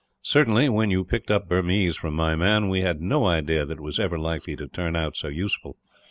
Certainly when you picked up Burmese from my man, we had no idea that it was ever likely to turn out so useful.